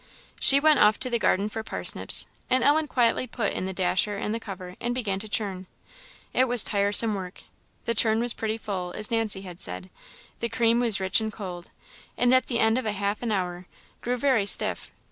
She went off to the garden for parsnips, and Ellen quietly put in the dasher and the cover, and began to churn. It was tiresome work. The churn was pretty full, as Nancy had said; the cream was rich and cold, and at the end of half an hour grew very stiff.